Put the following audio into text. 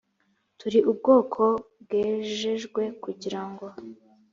turi ubwoko bwejejwe kugira ngo